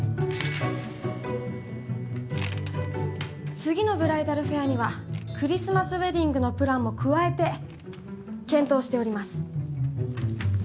次のブライダルフェアにはクリスマスウェディングのプランも加えて検討しております。